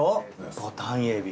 ボタンエビ。